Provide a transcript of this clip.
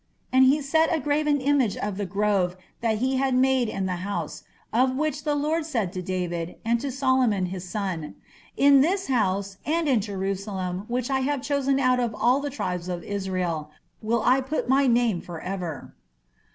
And he set a graven image of the grove that he had made in the house, of which the Lord said to David, and to Solomon his son, In this house, and in Jerusalem, which I have chosen out of all tribes of Israel, will I put my name for ever.